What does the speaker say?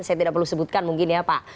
saya tidak perlu sebutkan mungkin ya pak